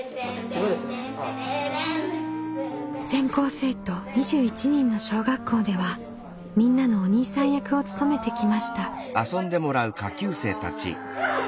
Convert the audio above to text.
全校生徒２１人の小学校ではみんなのお兄さん役を務めてきました。